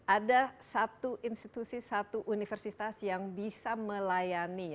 ada satu institusi satu universitas yang bisa melayani